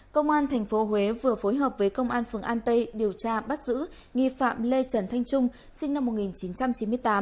công an tp huế vừa phối hợp với công an phường an tây điều tra bắt giữ nghi phạm lê trần thanh trung sinh năm một nghìn chín trăm chín mươi tám